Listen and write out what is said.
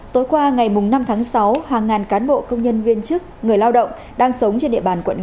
tối qua ngày năm tháng sáu hàng ngàn cán bộ công nhân viên chức người lao động đang sống trên địa bàn quận một